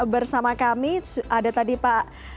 bersama kami ada tadi pak